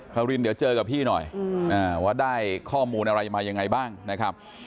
ฮารินเดี๋ยวเจอกับพี่หน่อยว่าได้ข้อมูลอะไรมายังไงบ้างนะครับ